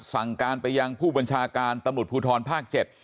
สั่งการไปยังผู้บัญชาการตำรวจภูทรภาค๗